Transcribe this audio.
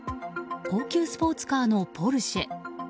高級スポーツカーのポルシェ。